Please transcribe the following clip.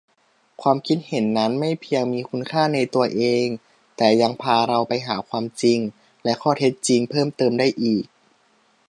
ความคิดเห็นนั้นไม่เพียงมีคุณค่าในตัวเอง แต่ยังพาเราไปหาความจริงและข้อเท็จจริงเพิ่มเติมได้อีก